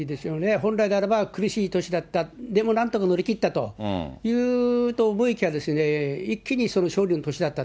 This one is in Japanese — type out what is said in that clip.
本来であれば苦しい年だった、でもなんとか乗り切ったと言うと思いきや、一気にそれ、勝利の年だった。